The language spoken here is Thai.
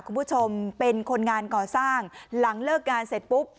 คุณผู้ชมเป็นคนงานก่อสร้างหลังเลิกงานเสร็จปุ๊บ